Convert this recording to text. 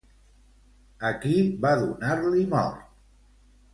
A qui va donar-li mort?